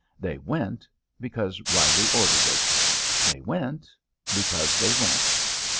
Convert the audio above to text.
They went because Reilly ordered it. They went because they went.